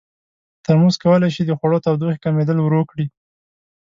ترموز کولی شي د خوړو تودوخې کمېدل ورو کړي.